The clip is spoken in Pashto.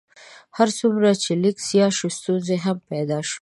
هر څومره چې لیک زیات شو ستونزې هم پیدا شوې.